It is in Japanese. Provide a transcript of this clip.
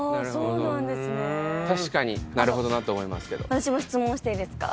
私も質問していいですか？